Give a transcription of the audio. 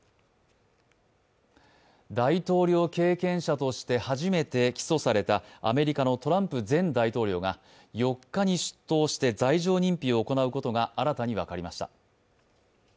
大統領経験者として初めて起訴されたアメリカのトランプ前大統領が４日に出頭して罪状認否を行うことが新たに分かりました。